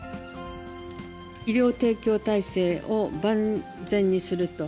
医療提供体制を万全にすると。